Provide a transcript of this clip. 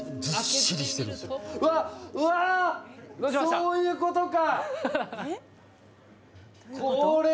そういうことか！